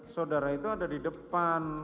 saudara itu ada di depan